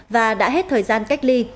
và đã hết thời gian cách ly